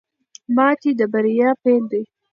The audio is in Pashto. ماتې د بریا پیل دی.